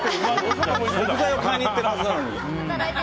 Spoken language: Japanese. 食材を買いに行ってるはずなのに。